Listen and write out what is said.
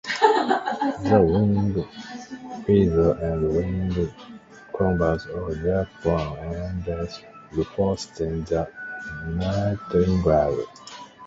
The wing feathers and wing-coverts are dark brown and less rufous than the nightingale.